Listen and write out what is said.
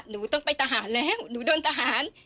หนูต้องไปทหารแล้วหนูโดนทหาร